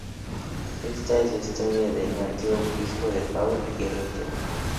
Esta es la historia de Nathaniel, hijo de Paul y Rachel.